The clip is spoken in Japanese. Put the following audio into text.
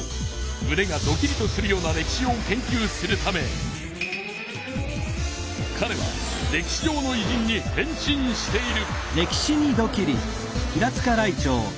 むねがドキリとするような歴史を研究するためかれは歴史上のいじんに変身している。